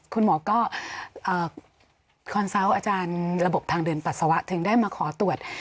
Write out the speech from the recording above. คุณหมอก็คอนเซาต์อาจารย์ระบบทางเดินปัสสาวะถึงได้มาขอตรวจ